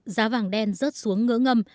giá vàng đen rớt xuống ngỡ ngâm